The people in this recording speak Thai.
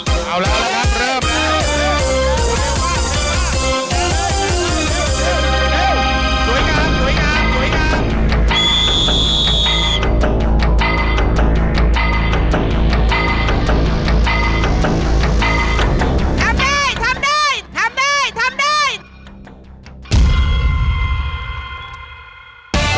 เอาแล้วนะครับเริ่มแล้ว